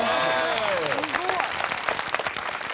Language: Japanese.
すごい。